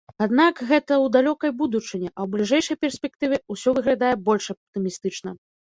Аднак гэта ў далёкай будучыні, а ў бліжэйшай перспектыве ўсё выглядае больш аптымістычна.